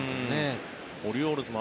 オリオールズも。